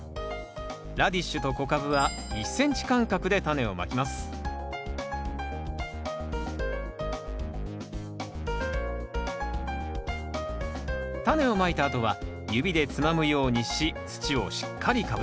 ラディッシュと小カブは１ｃｍ間隔でタネをまきますタネをまいたあとは指でつまむようにし土をしっかりかぶせます